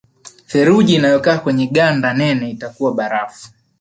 Theluji inayokaa kwenye ganda nene itakuwa barafu